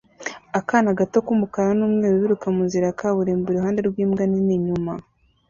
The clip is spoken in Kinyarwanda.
akana gato k'umukara n'umweru biruka munzira ya kaburimbo iruhande rw'imbwa nini inyuma